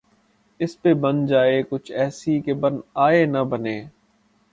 اس پہ بن جائے کچھ ایسی کہ بن آئے نہ بنے